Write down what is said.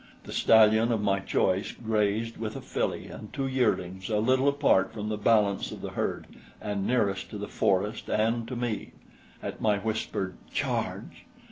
The stallion of my choice grazed with a filly and two yearlings a little apart from the balance of the herd and nearest to the forest and to me. At my whispered "Charge!"